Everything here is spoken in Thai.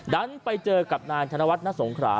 ดันไปเจอกับนายธนวัฒนสงขรา